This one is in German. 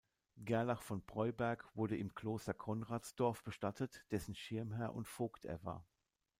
Gerlach von Breuberg wurde im Kloster Konradsdorf bestattet, dessen Schirmherr und Vogt er war.